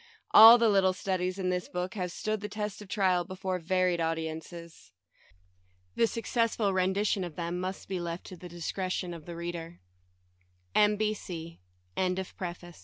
All the little studies in this book have stood the test of trial before varied au diences. The successful rendition of them must be left to the discretion of the r